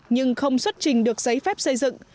nhưng không xuất trình được giấy phép xây dựng